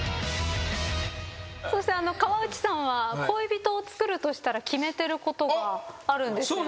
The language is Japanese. そして河内さんは恋人をつくるとしたら決めてることがあるんですよね？